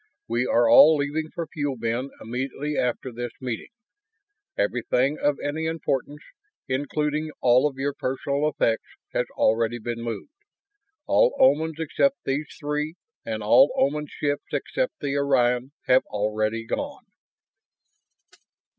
We are all leaving for Fuel Bin immediately after this meeting. Everything of any importance, including all of your personal effects, has already been moved. All Omans except these three, and all Oman ships except the Orion, have already gone."